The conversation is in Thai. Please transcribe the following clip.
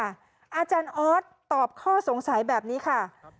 อาจารย์ออสตอบข้อสงสัยแบบนี้ค่ะ